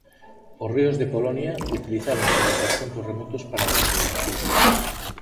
Os ríos de Polonia utilizáronse desde tempos remotos para a navegación.